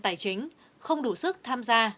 tài chính không đủ sức tham gia